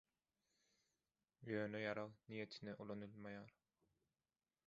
Ýöne ýarag niýetine ulanylmaýar.